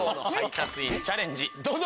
チャレンジどうぞ！